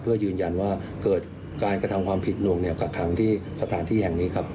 เพื่อยืนยันว่าเกิดการกระทำความผิดหน่วงเหนียวกักขังที่สถานที่แห่งนี้ครับ